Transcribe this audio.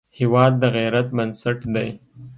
هېواد د غیرت بنسټ دی.